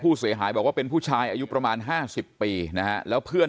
ผู้เสียหายบอกว่าเป็นผู้ชายอายุประมาณ๕๐ปีนะฮะแล้วเพื่อน